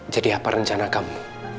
jadi apa rencana kamu